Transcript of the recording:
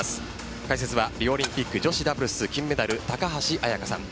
解説はリオオリンピック女子ダブルス金メダル高橋礼華さん